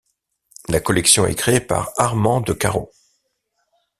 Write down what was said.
La collection est créée par Armand de Caro.